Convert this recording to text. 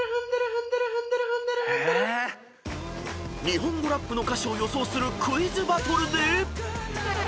［日本語ラップの歌詞を予想するクイズバトルで］